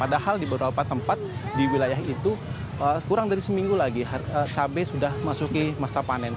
padahal di beberapa tempat di wilayah itu kurang dari seminggu lagi cabai sudah masuki masa panen